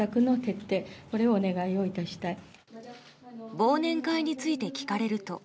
忘年会について聞かれると。